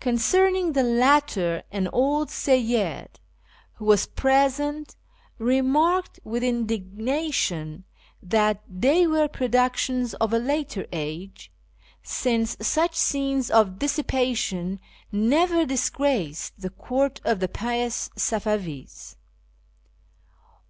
Concerning the latter, an old Seyyid, who was present, remarked with indigna tion that they were productions of a later age, since such scenes of dissipation never disgraced the court of the pious Safavis.